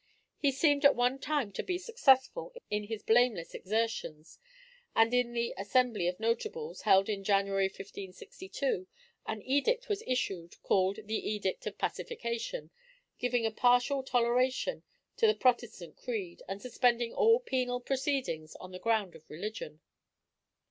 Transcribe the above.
He seemed at one time to be successful in his blameless exertions; and in the Assembly of Notables, held in January, 1562, an edict was issued, called the "Edict of Pacification," giving a partial toleration of the Protestant creed, and suspending all penal proceedings on the ground of religion.